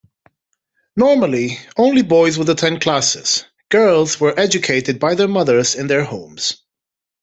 Normally, only boys would attend classes-girls were educated by their mothers in their homes.